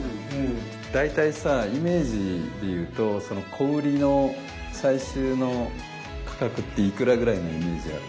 大体さイメージで言うと小売りの最終の価格っていくらぐらいのイメージある？